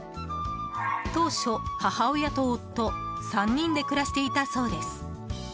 当初、母親と夫３人で暮らしていたそうです。